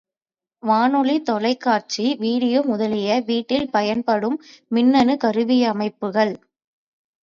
வானொலி, தொலைக் காட்சி, வீடியோ முதலிய வீட்டில் பயன்படும் மின்னணுக் கருவியமைப்புகள்.